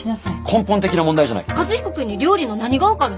根本的な問題じゃないか。